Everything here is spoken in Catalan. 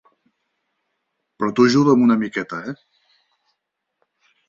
Però tu ajuda'm una miqueta, eh?